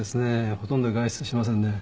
ほとんど外出しませんね。